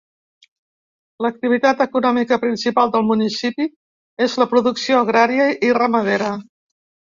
L'activitat econòmica principal del municipi és la producció agrària i ramadera.